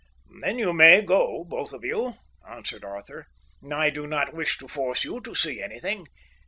"Then you may go, both of you," answered Arthur. "I do not wish to force you to see anything.